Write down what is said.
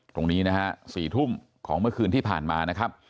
ตรงนี้สี่ทุ่มของเมื่อคืนที่ผ่านมา